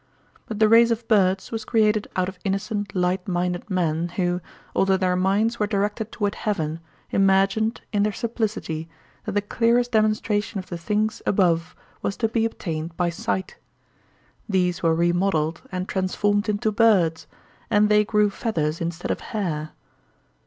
But the race of birds was created out of innocent light minded men, who, although their minds were directed toward heaven, imagined, in their simplicity, that the clearest demonstration of the things above was to be obtained by sight; these were remodelled and transformed into birds, and they grew feathers instead of hair.